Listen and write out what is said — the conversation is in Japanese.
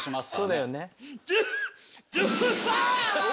そうだよね。